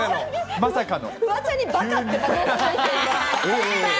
まさかの。